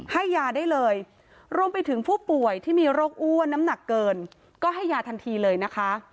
ให้ยาได้เลยรวมไปถึงผู้ป่วยที่มีโรคอ้วนน้ำหนักเกินก็ให้ยาทันทีเลยนะคะ